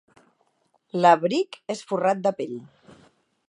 L'abric és forrat de pell.